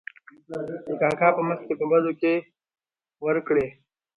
د کاکا په مخکې په بدو کې ور کړې .